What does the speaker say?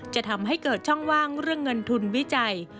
จะทำให้เกิดช่องว่างเรื่องเงินทุนวิจัย